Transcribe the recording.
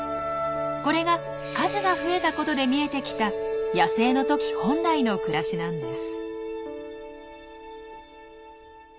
これが数が増えたことで見えてきた野生のトキ本来の暮らしなんです。